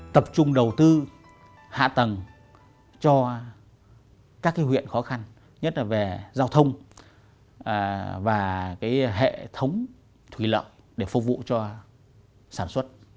tập trung đầu tư hạ tầng cho các huyện khó khăn nhất là về giao thông và hệ thống thủy lợi để phục vụ cho sản xuất